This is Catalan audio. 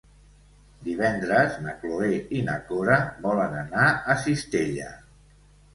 Divendres na Cloè i na Cora volen anar a Cistella.